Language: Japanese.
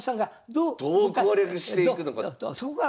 どう攻略していくのか。